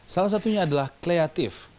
salah satunya adalah kreatif